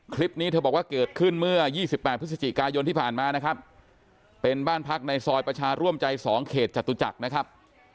คลิปนี้เธอบอกว่าเกิดขึ้นเมื่อ๒๘พฤศจิกายนที่ผ่านมานะครับเป็นบ้านพักในซอยประชาร่วมใจ๒เขตจตุจักรนะครับ